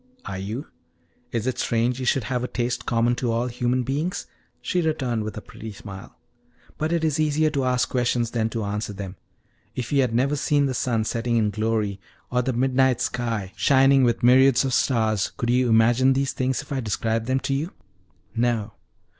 "Are you? Is it strange you should have a taste common to all human beings?" she returned with a pretty smile. "But it is easier to ask questions than to answer them. If you had never seen the sun setting in glory, or the midnight sky shining with myriads of stars, could you imagine these things if I described them to you?" "No."